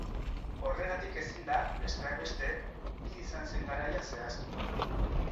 Horregatik ezin da, besteak beste, bizi izan zen garaia zehaztu.